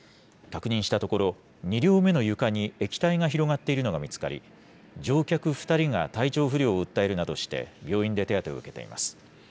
確認したところ、２両目の床に液体が広がっているのが見つかり、乗客２人が体調不良を訴えるなどして、病院で手当てを受けています。